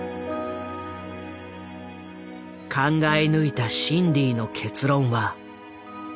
考え抜いたシンディの結論は。